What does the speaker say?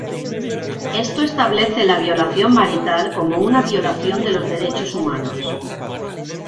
Esto establece la violación marital como una violación de los derechos humanos.